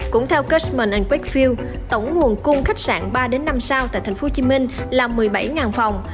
cũng theo customs quakefield tổng nguồn cung khách sạn ba năm sao tại tp hcm là một mươi bảy phòng